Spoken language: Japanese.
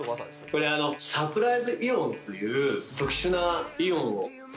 これあのサプライズイオンという特殊なイオンを発してまして